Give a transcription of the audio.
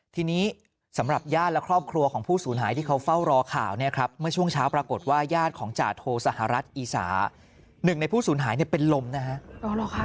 ทีนี้สำหรับญาติและครอบครัวของผู้สูญหายที่เขาเฝ้ารอข่าวเนี่ยครับเมื่อช่วงเช้าปรากฏว่าญาติของจาโทสหรัฐอีสาหนึ่งในผู้สูญหายเป็นลมนะฮะ